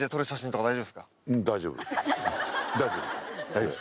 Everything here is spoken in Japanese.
大丈夫。